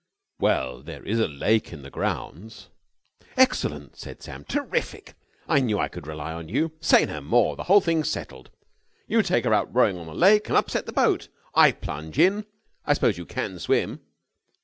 "Well, there is a lake in the grounds...." "Excellent!" said Sam. "Terrific! I knew I could rely on you. Say no more! The whole thing's settled. You take her out rowing on the lake, and upset the boat. I plunge in ... I suppose you can swim?"